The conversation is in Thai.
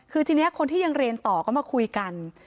คือทีนี้คนที่ยังเรียนต่อก็มาคุยกัน